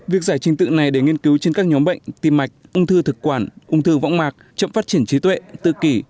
việc giải trình tự này để nghiên cứu trên các nhóm bệnh tim mạch ung thư thực quản ung thư võng mạc chậm phát triển trí tuệ tự kỷ